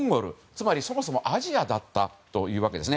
つまり、そもそもアジアだったということです。